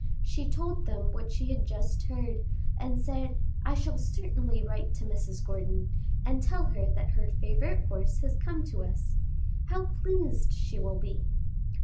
She told them what she had just heard, and said: "I shall certainly write to Mrs. Gordon, and tell her that her favorite horse has come to us. How pleased she will be!"